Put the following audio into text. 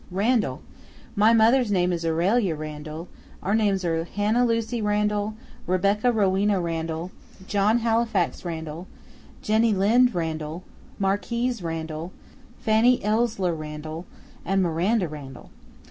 "Randall. My mother's name is Aurelia Randall; our names are Hannah Lucy Randall, Rebecca Rowena Randall, John Halifax Randall, Jenny Lind Randall, Marquis Randall, Fanny Ellsler Randall, and Miranda Randall.